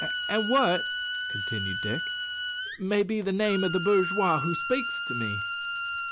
And what," continued Dick, "may be the name o' the bourgeois who speaks to me?"